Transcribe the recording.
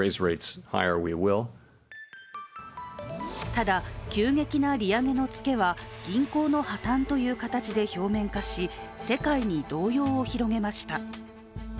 ただ急激な利上げのツケは銀行の破綻という形で表面化し世界に動揺を広げました。